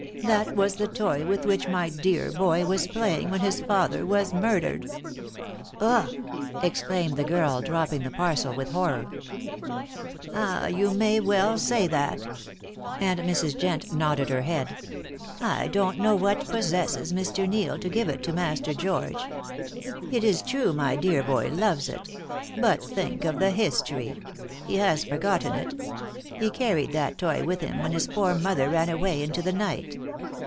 That was the toy with which my dear boy was playing when his father was murdered!" "Ugh!" exclaimed the girl, dropping the parcel with horror. "Ah, you may well say that." And Mrs. Jent nodded her head. "I don't know what possesses Mr. Neil to give it to Master George. It is true my dear boy loves it. But think of the history! He has forgotten it. He carried that toy with him when his poor mother ran away into the night.